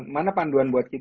mana panduan buat kita